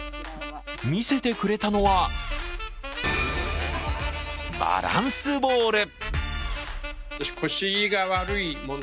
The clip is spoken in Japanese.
見せてくれたのはバランスボール。